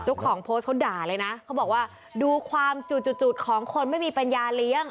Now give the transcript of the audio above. เจ้าของโพสต์เขาด่าเลยนะเขาบอกว่าดูความจุดจุดของคนไม่มีปัญญาเลี้ยง